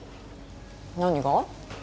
何が？